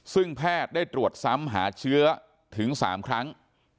ซึ่งแพทย์ได้ตรวจซ้ำหาเชื้อถึง๓ครั้ง